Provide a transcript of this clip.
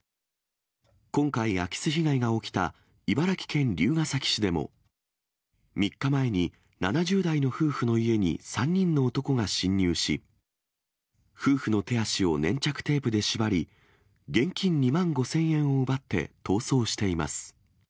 今回、空き巣被害が起きた茨城県龍ケ崎市でも、３日前に７０代の夫婦の家に３人の男が侵入し、夫婦の手足を粘着テープで縛り、現金２万５０００円を奪って逃走しています。